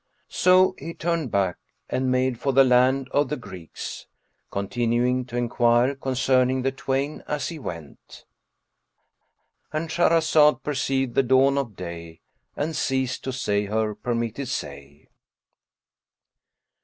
So he turned back and made for the land of the Greeks, continuing to enquire concerning the twain as he went,— And Shahrazad perceived the dawn of day and ceased to say her permitted say.